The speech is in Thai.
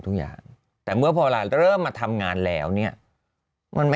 เราพูดตามจริงน่ะหนักกว่านี้อีก